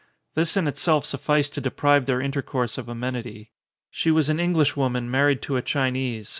This in itself sufficed to deprive their intercourse of amenity. She was an Englishwoman married to a, Chinese.